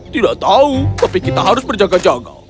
tidak tahu tapi kita harus berjaga jaga